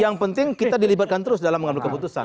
yang penting kita dilibatkan terus dalam mengambil keputusan